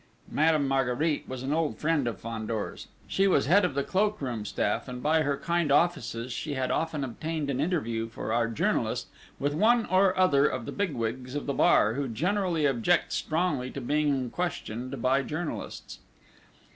Madame Marguerite was an old friend of Fandor's. She was head of the cloak room staff, and by her kind offices she had often obtained an interview for our journalist with one or other of the big wigs of the bar, who generally object strongly to being questioned by journalists.